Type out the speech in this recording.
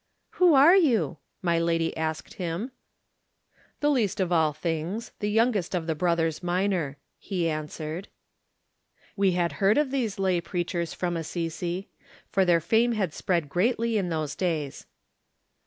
"Who are you?" my lady asked him. "The least of all things: the youngest of the Brothers Minor," he answered. We had heard of these lay preachers from Assisi, for their fame had spread greatly in those days.